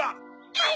はい！